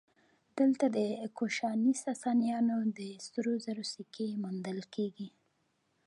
دلته د کوشاني ساسانیانو د سرو زرو سکې موندل کېږي